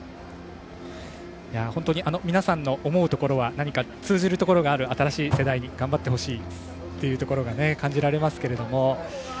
本当に皆さんの思うところは通じるところのある新しい世代に頑張ってほしいというところが感じられますが。